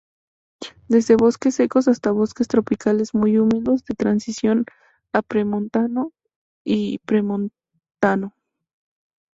Desde bosques secos hasta bosques tropicales muy húmedos, de transición a premontano y premontano.